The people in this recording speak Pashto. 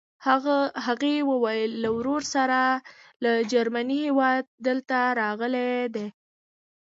هغې ویل له ورور سره له جرمني هېواده دلته راغلې ده.